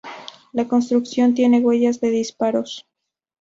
La construcción tiene huellas de disparos.